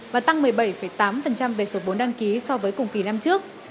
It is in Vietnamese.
và tăng một mươi bảy tám về số vốn đăng ký so với cùng kỳ năm trước